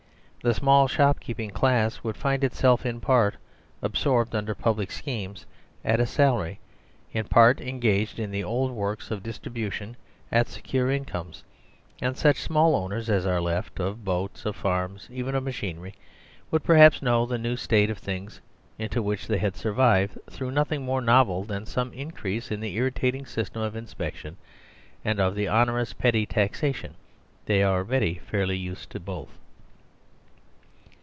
The small shop keeping class would find itself in part absorbed under public schemes at a salary, in part engaged in the old work of distribution at secure incomes ; and such small owners as are left, of boats, of farms, even of machinery, would perhaps know the new state of things intowhich they had survived through nothing more novel than some increase in the irritating sys tem of inspection and of onerous petty taxation: they are already fairly used to both.